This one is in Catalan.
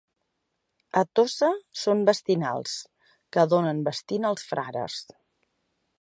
A Tossa són bastinals, que donen bastina als frares.